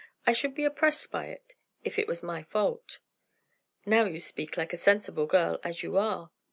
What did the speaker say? I should be oppressed by it, if it was my fault." "Now you speak like a sensible girl, as you are.